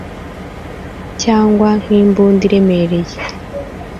Cyangwa nkimbunda iremereye